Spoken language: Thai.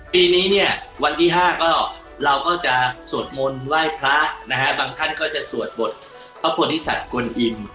ปีนี้เนี่ยวันที่๕ก็เราก็จะสวดมนต์ไหว้พระนะฮะบางท่านก็จะสวดบทพระโพธิสัตว์กลอิน